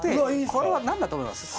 これは何だと思います？